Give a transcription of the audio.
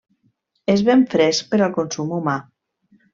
Es ven fresc per al consum humà.